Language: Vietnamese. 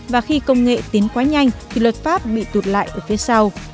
và khi công nghệ tiến quá nhanh thì luật pháp bị tụt lại ở phía sau